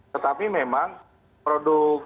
tetapi memang produk